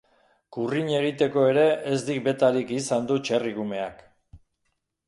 Kurrin egiteko ere ez dik betarik izandu txerrikumeak.